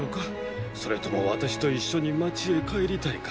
それとも私と一緒に街へ帰りたいか？